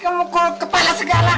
kamu mukul kepala segala